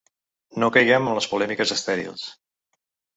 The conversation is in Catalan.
No caiguem en les polèmiques estèrils.